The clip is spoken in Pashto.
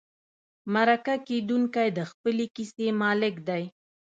مرکه کېدونکی د خپلې کیسې مالک دی.